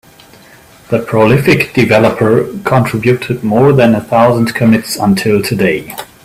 The prolific developer contributed more than a thousand commits until today.